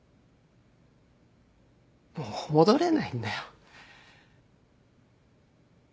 もう戻れないんだよ。